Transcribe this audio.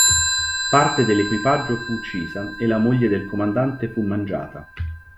Parte dell'equipaggio fu uccisa e la moglie del comandante fu mangiata.